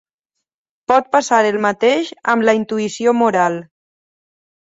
Pot passar el mateix amb la intuïció moral.